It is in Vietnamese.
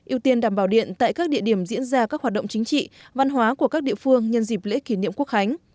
ưu tiên đảm bảo điện tại các địa điểm diễn ra các hoạt động chính trị văn hóa của các địa phương nhân dịp lễ kỷ niệm quốc khánh